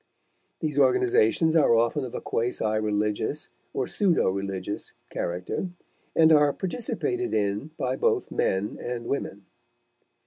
These organizations are often of a quasi religious or pseudo religious character, and are participated in by both men and women.